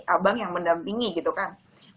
abang yang mendampingi gitu kan